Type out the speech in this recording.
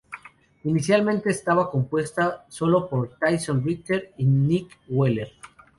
Inicialmente estaba compuesta sólo por Tyson Ritter y Nick Wheeler.